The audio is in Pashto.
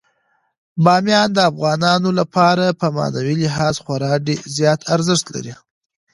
بامیان د افغانانو لپاره په معنوي لحاظ خورا زیات ارزښت لري.